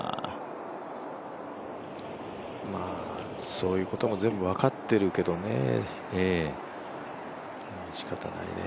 そういうことも全部分かってるけどねしかたないね。